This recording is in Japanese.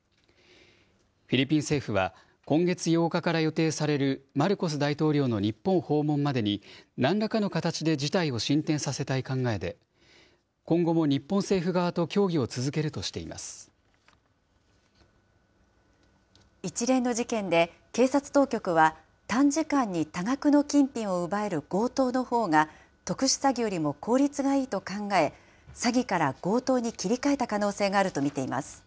フィリピン政府は、今月８日から予定されるマルコス大統領の日本訪問までに、なんらかの形で事態を進展させたい考えで、今後も日本政府側と協一連の事件で、警察当局は短時間に多額の金品を奪える強盗のほうが特殊詐欺よりも効率がいいと考え、詐欺から強盗に切り替えた可能性があると見ています。